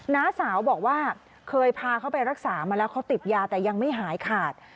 น้าสาวบอกว่าเคยพาเขาไปรักษามาแล้วเขาติดยาแต่ยังไม่หายขาด